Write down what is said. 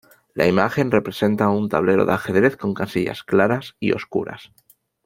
La imagen representa un tablero de ajedrez con casillas claras y oscuras.